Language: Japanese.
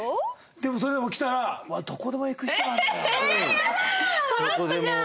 でもそれでも来たら「うわどこでも行く人なんだ」。